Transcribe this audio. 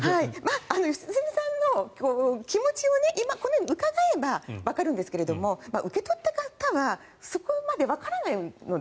良純さんの気持ちを今、このように伺えばわかるんですけど受け取った方はそこまでわからないので。